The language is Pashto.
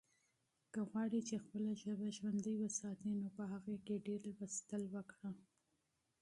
که غواړې چې خپله ژبه ژوندۍ وساتې نو په هغې کې ډېره مطالعه وکړه.